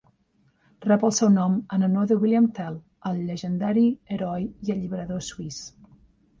Rep el seu nom en honor de William Tell, el llegendari heroi i alliberador suís.